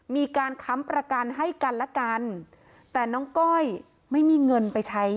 มีการค้ำประกันให้กันและกันแต่น้องก้อยไม่มีเงินไปใช้